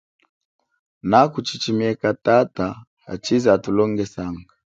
Naku chichimieka tata hachize atulongesanga.